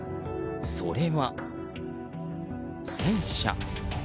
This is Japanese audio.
それは、戦車。